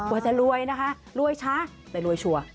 ว่าจะรวยนะคะรวยช้าแต่รวยชัวร์